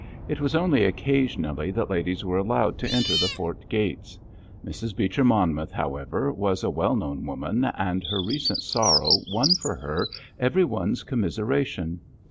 It was only occasionally that ladies were allowed to enter the fort gates. Mrs. Beecher Monmouth, however, was a well known woman, and her recent sorrow won for her every one's commiseration.